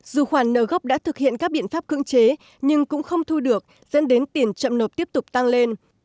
dù khoản nợ gốc đã thực hiện các biện pháp cưỡng chế nhưng cũng không thu được dẫn đến tiền chậm nộp tiếp tục tăng lên